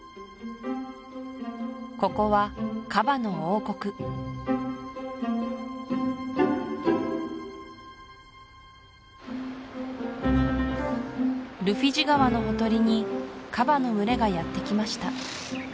ここはカバの王国ルフィジ川のほとりにカバの群れがやってきました